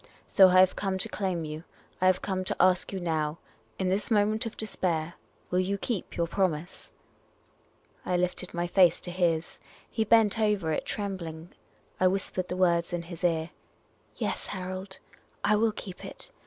So I have come to claim you. I have come to ask you now, in this moment of despair, will you keep your promise ?'' I lifted my face to his. He bent over it trembling. I whispered the words in his ear. " Yes, Harold, I will keep it.